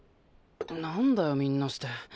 なんだよみんなして。